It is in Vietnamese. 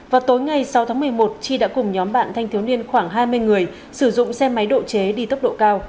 vào tối ngày sáu tháng một mươi một chi đã cùng nhóm bạn thanh thiếu niên khoảng hai mươi người sử dụng xe máy độ chế đi tốc độ cao